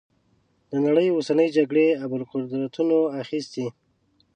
د نړۍ اوسنۍ جګړې ابرقدرتونو اخیستي.